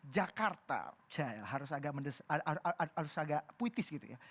jakarta harus agak puitis gitu ya